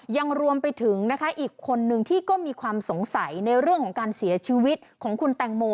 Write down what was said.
ยังรวมไปถึงนะคะอีกคนนึงที่ก็มีความสงสัยในเรื่องของการเสียชีวิตของคุณแตงโม